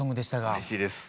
うれしいです。